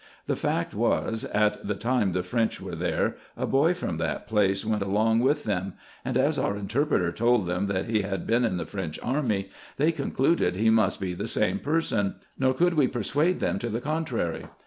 The fact was, at the time the French were there, a boy from that place went alono with them ; and, as our interpreter told them that he had been in the French army, they concluded he must be the same person ; nor could we persuade them to the contrary.